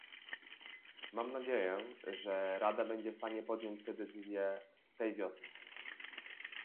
Mam nadzieję, że Rada będzie w stanie podjąć tę decyzję tej wiosny